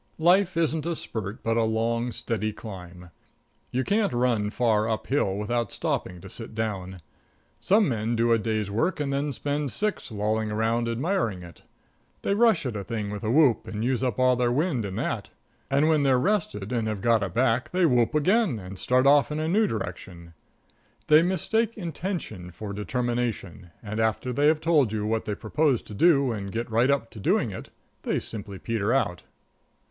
Life isn't a spurt, but a long, steady climb. You can't run far up hill without stopping to sit down. Some men do a day's work and then spend six lolling around admiring it. They rush at a thing with a whoop and use up all their wind in that. And when they're rested and have got it back, they whoop again and start off in a new direction. They mistake intention for determination, and after they have told you what they propose to do and get right up to doing it, they simply peter out.